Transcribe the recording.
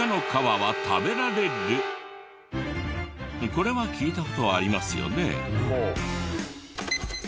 これは聞いた事ありますよね？